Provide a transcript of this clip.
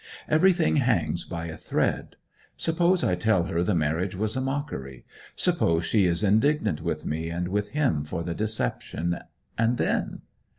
Everything hangs by a thread. Suppose I tell her the marriage was a mockery; suppose she is indignant with me and with him for the deception and then?